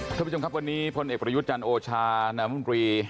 ท่านผู้ชมครับวันนี้พลเอกประยุทธ์จันทร์โอชานามนตรี